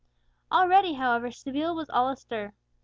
Already, however, Seville was all astir.